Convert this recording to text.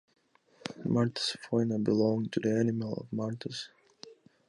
Martes foina belong to the animal of martes.